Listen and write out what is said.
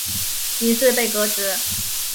因事被革职。